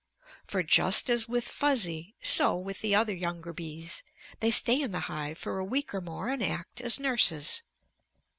For just as with Fuzzy, so with the other younger bees; they stay in the hive for a week or more and act as nurses.